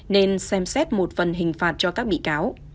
nên xem xét một phần hình phạt cho các bị cáo